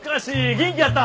元気だった？